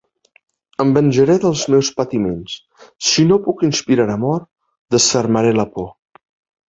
Em venjaré dels meus patiments; si no puc inspirar amor, desfermaré la por.